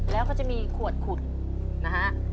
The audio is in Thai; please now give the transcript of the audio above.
แล้วก็จะมีขวดขุดนะฮะ